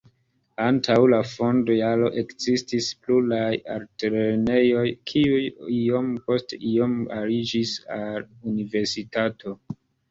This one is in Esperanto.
Antaŭ la fond-jaro ekzistis pluraj altlernejoj, kiuj iom post iom aliĝis al universitato.